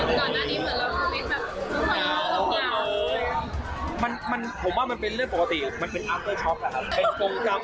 คิดว่าเราไม่กลัวเพราะงานก่อนนั้นเพราะมีแบบภูมิขึ้นแล้ว